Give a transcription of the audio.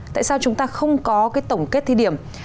tại sao chúng ta không có cái tổng kết thí điểm